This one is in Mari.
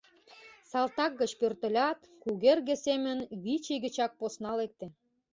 Салтак гыч пӧртылят, кугерге семын вич ий гычак посна лекте.